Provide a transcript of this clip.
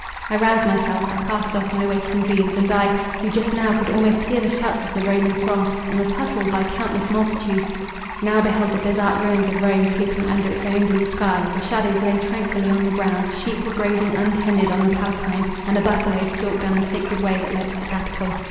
I roused myself—I cast off my waking dreams; and I, who just now could almost hear the shouts of the Roman throng, and was hustled by countless multitudes, now beheld the desart ruins of Rome sleeping under its own blue sky; the shadows lay tranquilly on the ground; sheep were grazing untended on the Palatine, and a buffalo stalked down the Sacred Way that led to the Capitol.